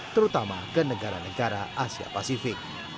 terutama ke negara negara asia pasifik